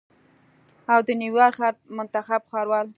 او د نیویارک ښار منتخب ښاروال